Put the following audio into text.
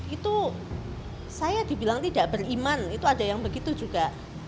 itu saya dibilang tidak beriman itu ada yang begitu juga